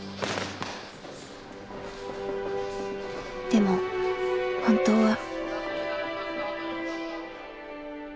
でも本当は。